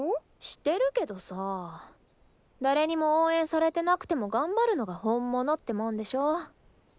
してるけどさぁ誰にも応援されてなくてもがんばるのが本物ってもんでしょう。